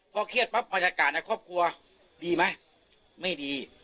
เพราะเครียดปั๊บมันจากการในครอบครัวดีไหมไม่ดี